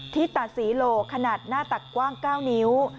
ที่ตัดสีโหลขนาดหน้าตักกว้าง๙นิ้ว